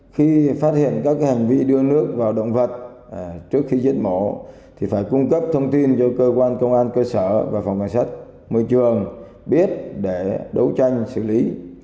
khi phát hiện các hành vi đưa nước vào động vật trước khi giết mổ thì phải cung cấp thông tin cho cơ quan công an cơ sở và phòng cảnh sát môi trường biết để đấu tranh xử lý